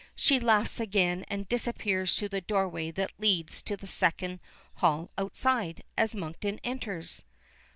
She laughs again, and disappears through the doorway that leads to the second hall outside, as Monkton enters.